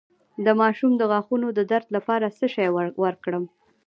د ماشوم د غاښونو د درد لپاره څه شی ورکړم؟